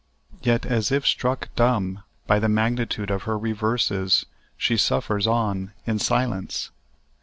Yet, as if struck dumb by the magnitude of her reverses, she suffers on in silence.